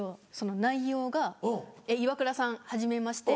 内容が「イワクラさんはじめまして。